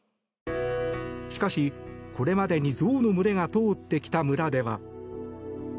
しかし、これまでにゾウの群れが通ってきた村では。